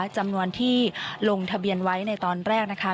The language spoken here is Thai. จำนวนที่ลงทะเบียนไว้ในตอนแรกนะคะ